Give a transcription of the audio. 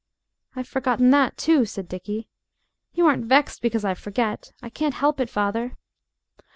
"I've forgotten that, too," said Dickie. "You aren't vexed because I forget? I can't help it, father."